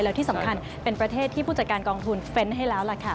แล้วที่สำคัญเป็นประเทศที่ผู้จัดการกองทุนเฟ้นให้แล้วล่ะค่ะ